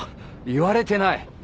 言われてない。